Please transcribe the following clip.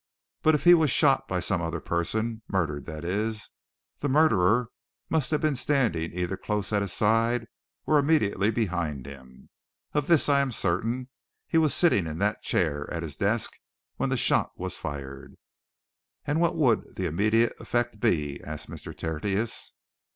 "But if he was shot by some other person murdered, that is the murderer must have been standing either close at his side, or immediately behind him. Of this I am certain he was sitting in that chair, at his desk, when the shot was fired." "And what would the immediate effect be?" asked Mr. Tertius.